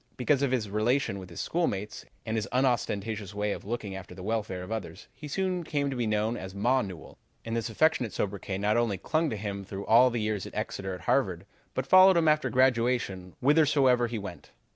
Because of his relation with his schoolmates and his unostentatious way of looking after the welfare of others, he soon came to be known as Ma Newell, and this affectionate sobriquet not only clung to him through all the years at Exeter and Harvard, but followed him after graduation whithersoever he went.